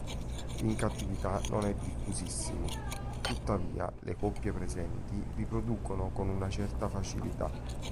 In cattività non è diffusissimo, tuttavia le coppie presenti riproducono con una certa facilità.